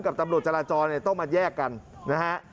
กับตำรวจจราจรเนี่ยต้องมาแยกกันนะฮะ